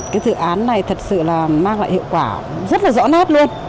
cái dự án này thật sự là mang lại hiệu quả rất là rõ nét luôn